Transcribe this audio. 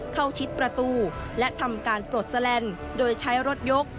ชิดประตูและทำการปลดแลนด์โดยใช้รถยก